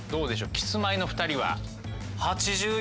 キスマイの２人は？